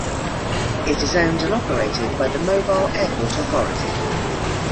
It is owned and operated by the Mobile Airport Authority.